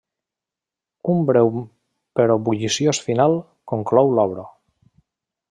Un breu però bulliciós final conclou l'obra.